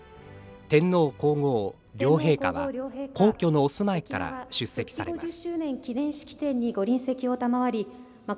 天皇皇后両陛下は皇居のお住まいから出席されます。